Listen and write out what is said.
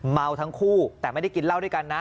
เมาทั้งคู่แต่ไม่ได้กินเหล้าด้วยกันนะ